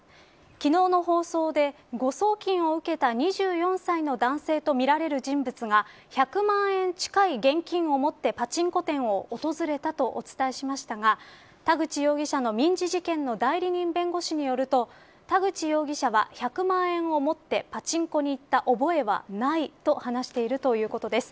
昨日の放送で誤送金を受けた２４歳の男性とみられる人物が１００万円近い現金を持ってパチンコ店を訪れたとお伝えしましたが田口容疑者の民事事件の代理人弁護士によると田口容疑者は１００万円を持ってパチンコに行った覚えはないと話しているということです。